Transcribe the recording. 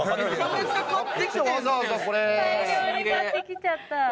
大量に買ってきちゃった。